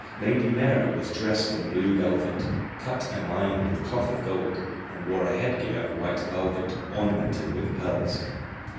Lady Mary was dressed in blue velvet, cut and lined with cloth of gold, and wore a headgear of white velvet, ornamented with pearls.